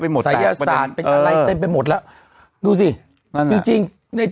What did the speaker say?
ไปหมดสายยาศาสตร์เป็นอะไรเต็มไปหมดล่ะดูสิจริงใน